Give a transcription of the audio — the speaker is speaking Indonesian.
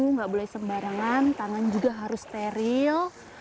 tidak boleh sembarangan tangan juga harus steril